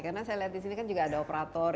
karena saya lihat di sini kan juga ada operator